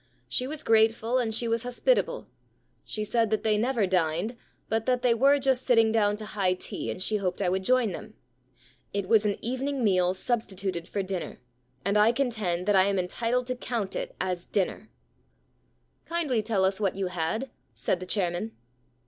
She was grateful and she was hospitable. She said 58 The Free Meal Problem that they never dined but that they were just sitting down to high tea, and she hoped I would join them. It was an evening meal substituted for dinner, and I contend that 1 am entitled to count it as dinner/ * Kindly tell us what you had,' said the chairman.